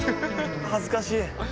はずかしい。